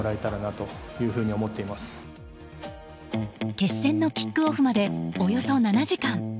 決戦のキックオフまでおよそ７時間。